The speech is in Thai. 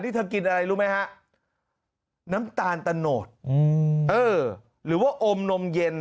นี่เธอกินอะไรรู้ไหมฮะน้ำตาลตะโนดหรือว่าอมนมเย็น